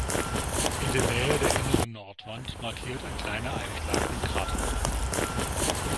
In der Nähe der inneren Nordwand markiert ein kleiner Einschlag den Kraterboden.